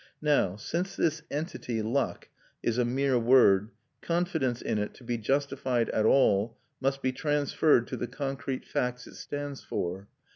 Now since this entity, luck, is a mere word, confidence in it, to be justified at all, must be transferred to the concrete facts it stands for.